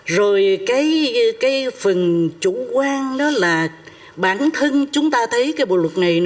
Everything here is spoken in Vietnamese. rồi phần chủ quan đó là bản thân chúng ta thấy bộ luật này